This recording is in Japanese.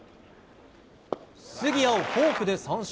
杉谷をフォークで三振。